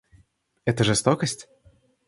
Это жестокость?